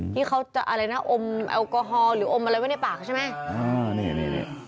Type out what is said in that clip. ที่เขาจะอะไรนะอมแอลกอฮอลหรืออมอะไรไว้ในปากใช่ไหม